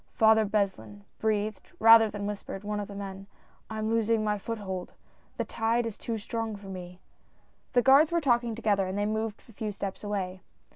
"Father Beslin," breathed, rather than whispered, one of the men, " I am losing my foothold — the tide is too strong for me !" The guards were talking together, and they moved a few steps away.